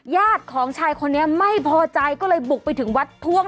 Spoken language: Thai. ญาติของชายคนนี้ไม่พอใจก็เลยบุกไปถึงวัดพ่วง